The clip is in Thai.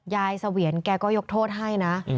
ยายเสวียรแกก็ยกโทษให้นะอืม